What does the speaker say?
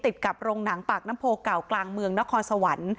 ติดกับโรงหนังปากน้ำโพเก่ากลางเมืองนครสวรรค์